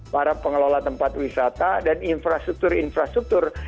para pengelola tempat wisata dan infrastruktur infrastruktur